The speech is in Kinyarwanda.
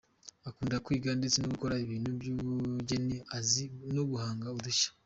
Akunda kwiga ndetse no gukora ibintu by’ubugeni, azi no guhanga udushya.